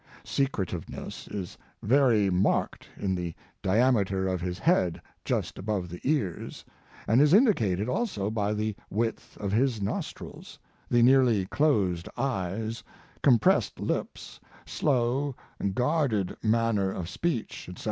Se cretiveness is very marked in the diame ter of his head just above the ears, and is indicated also by the width of his nostrils, the nearly closed eyes, compressed lips, slow, guarded manner of speech, etc.